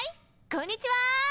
こんにちは！